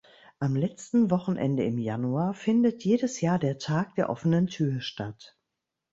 Am letzten Wochenende im Januar findet jedes Jahr der Tag der offenen Tür statt.